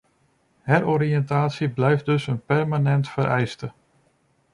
Heroriëntatie blijft dus een permanent vereiste.